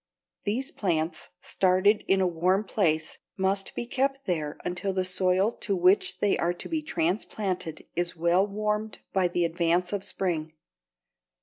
These plants, started in a warm place, must be kept there until the soil to which they are to be transplanted is well warmed by the advance of spring.